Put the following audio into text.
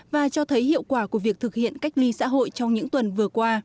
và cho thấy hiệu quả của việc thực hiện cách ly xã hội trong những tuần vừa qua